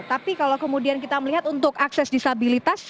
tapi kalau kemudian kita melihat untuk akses disabilitas